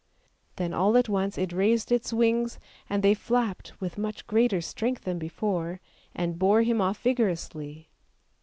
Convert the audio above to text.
Then all at once it raised its wings and they flapped with much greater strength than before, and bore him off vigorously.